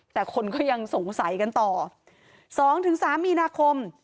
แต่คนก็ยังสงสัยกันต่อ๒๓มีนาคม